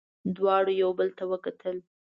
دواړو یو بل ته وکتل.